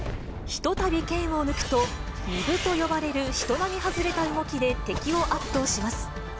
ひとたび剣を抜くと、み舞と呼ばれる人並み外れた動きで敵を圧倒します。